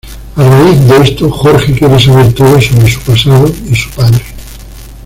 A raíz de esto Jorge quiere saber todo sobre su pasado y su padre.